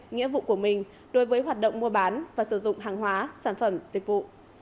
nghĩa vụ của mình đối với hoạt động mua bán và sử dụng hàng hóa sản phẩm dịch vụ